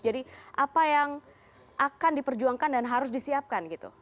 jadi apa yang akan diperjuangkan dan harus disiapkan